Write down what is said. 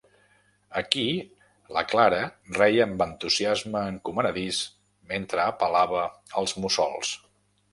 Aquí la Clara reia amb entusiasme encomanadís mentre apel·lava als mussols.